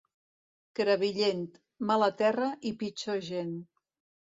Crevillent, mala terra i pitjor gent.